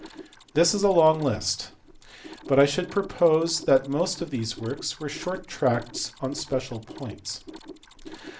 This is a long list, but I should suppose that most of these works were short tracts on special points.